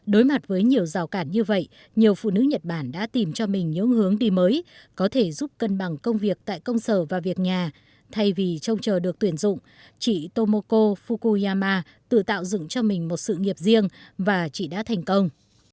đối mặt với nhiều rào cản như vậy nhiều phụ nữ nhật bản đã tìm cho mình những hướng đi mới có thể giúp cân bằng công việc tại công sở và việc nhà thay vì trông chờ được tuyển dụng chị tomoko fukuyama tự tạo dựng cho mình một sự nghiệp riêng và chị đã thành công